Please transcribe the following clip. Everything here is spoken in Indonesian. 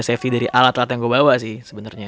safety dari alat alat yang gue bawa sih sebenarnya